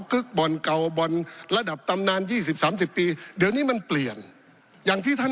บ่อนเก่าบ่อนระดับตำนาน๒๐๓๐ปีเดี๋ยวนี้มันเปลี่ยนอย่างที่ท่าน